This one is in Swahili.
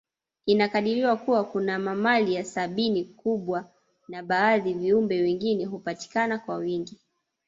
Inakadiriwa Kuwa kuna mamalia sabini kubwa na baadhi ya viumbe wengine hupatikana kwa wingi